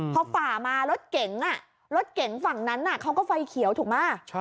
พอฝ่ามารถเก๋งฝ่างนั้นเขาก็ไฟเขียวถูกมะ